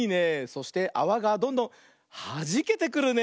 そしてあわがどんどんはじけてくるね。